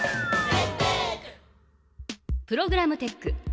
プログラムテック。